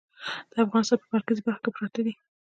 د افغانستان په مرکزي برخو کې پراته دي.